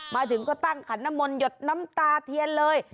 มาถึงก็ตั้งขันน้ำมนต์หยดน้ำตาเทียนเลย